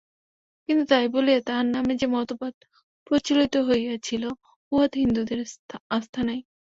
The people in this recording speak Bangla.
কিন্তু তাই বলিয়া তাঁহার নামে যে মতবাদ প্রচলিত হইয়াছিল, উহাতে হিন্দুদের আস্থা নাই।